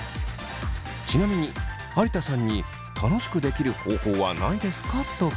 ちなみに有田さんに楽しくできる方法はないですか？と聞いたところ。